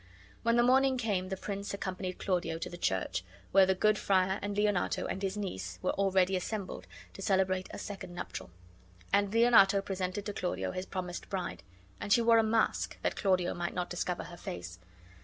When the morning came the prince accompanied Claudio to the church, where the good friar and Leonato and his niece were already assembled, to celebrate a second nuptial; and Leonato presented to Claudio his promised bride. And she wore a mask, that Claudio might not discover her face.